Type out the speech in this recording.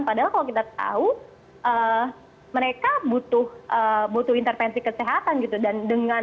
padahal kalau kita tahu mereka butuh intervensi kesehatan gitu